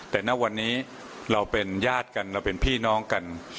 แต่ณวันนี้เราเป็นญาติกันเราเป็นพี่น้องกัน